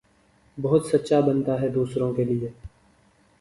بہت سچا بنتا ھے دوسروں کے لئے